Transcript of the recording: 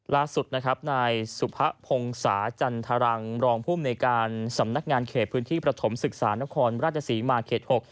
ล่าสุดนะครับนายสุภะพงศาจันทรังรองภูมิในการสำนักงานเขตพื้นที่ประถมศึกษานครราชศรีมาเขต๖